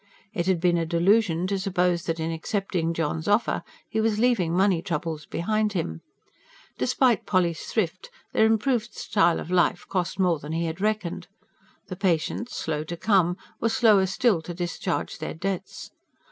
It had been a delusion to suppose that, in accepting John's offer, he was leaving money troubles behind him. Despite Polly's thrift, their improved style of life cost more than he had reckoned; the patients, slow to come, were slower still to discharge their debts.